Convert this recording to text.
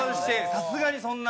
さすがにそんな。